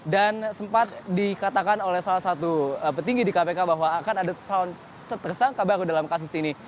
dan sempat dikatakan oleh salah satu petinggi di kpk bahwa akan ada tersangka baru dalam kasus ini